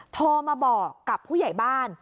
โทรมาบอกกับผู้ใหญ่บ้าน